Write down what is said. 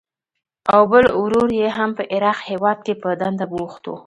او بل ورور یې هم په عراق هېواد کې په دنده بوخت و.